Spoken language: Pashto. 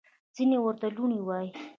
ځینې ورته لوني وايي.